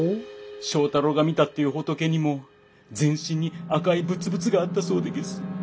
正太郎が見たっていう仏にも全身に赤いぶつぶつがあったそうでげす。